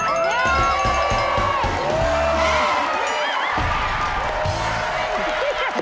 นี่